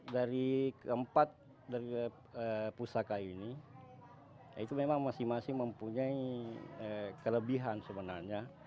dari keempat dari pusaka ini itu memang masing masing mempunyai kelebihan sebenarnya